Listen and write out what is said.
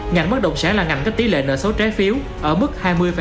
ngành bất động sản là ngành có tỷ lệ nợ số trái phiếu ở mức hai mươi một mươi bảy